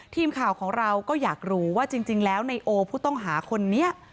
ทีมข่าวของเราก็อยากรู้ว่าจริงแล้วในโอผู้ต้องหาคนนี้